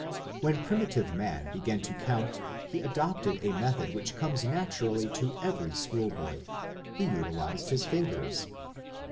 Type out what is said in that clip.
When primitive man began to count he adopted a method which comes naturally to every schoolboy; he utilized his fingers.